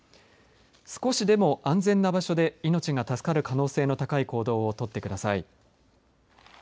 少しでも安全な場所で命が助かる可能性の高い行動を取ってください。